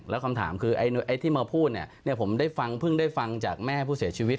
แล้วคำถามคือไอ้ที่มาพูดเนี่ยผมได้ฟังเพิ่งได้ฟังจากแม่ผู้เสียชีวิต